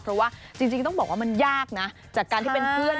เพราะว่ามันยากนะจากการที่เป็นเพื่อน